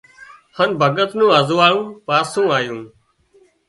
هانَ ڀڳت نُون ازوئاۯون پاسُون آيون